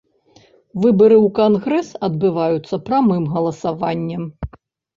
Выбары ў кангрэс адбываюцца прамым галасаваннем.